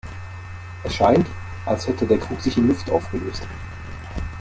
Es scheint, als hätte der Krug sich in Luft aufgelöst.